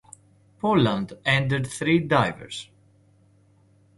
Poland entered three divers.